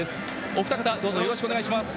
お二方、よろしくお願いします。